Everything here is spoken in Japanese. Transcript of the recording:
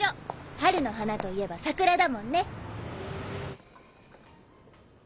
春の花といえば桜だもんね。